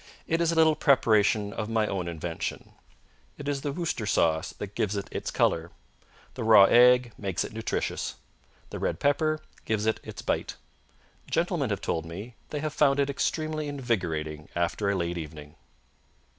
"It is a little preparation of my own invention. It is the Worcester Sauce that gives it its colour. The raw egg makes it nutritious. The red pepper gives it its bite. Gentlemen have told me they have found it extremely invigorating after a late evening."